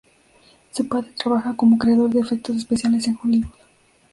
Su padre trabaja como creador de efectos especiales en Hollywood.